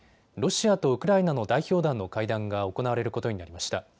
ロシアとウクライナの代表団の会談が行われることになりました。